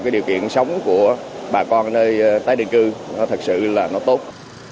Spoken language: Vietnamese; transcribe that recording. cái điều kiện sống của bà con nơi tái định cư nó thật sự là nó tốt